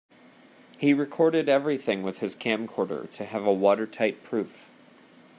He recorded everything with his camcorder to have a watertight proof.